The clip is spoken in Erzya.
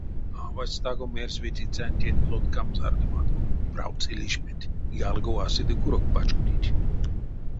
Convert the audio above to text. Авась таго мерсь ветицянтень лоткамс ардомадо, правтсы лишменть, ялго а седе курок пачкодить.